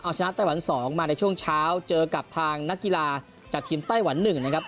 เอาชนะไต้หวัน๒มาในช่วงเช้าเจอกับทางนักกีฬาจากทีมไต้หวัน๑นะครับ